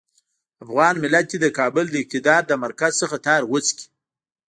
افغان ملت دې د کابل د اقتدار له مرکز څخه تار غوڅ کړي.